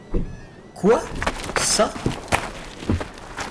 Quoi ?- Ça.